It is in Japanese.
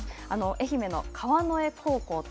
愛媛の川之江高校と